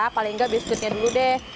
paling nggak bisnisnya dulu deh